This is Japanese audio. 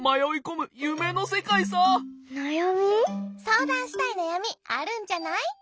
そうだんしたいなやみあるんじゃない？